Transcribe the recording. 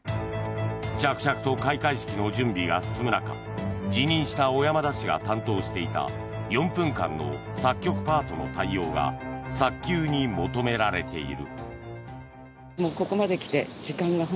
着々と開会式の準備が進む中辞任した小山田氏が担当していた４分間の作曲パートの対応が早急に求められている。